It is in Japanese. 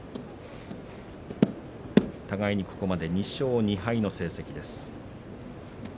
互いにここまで２勝２敗です。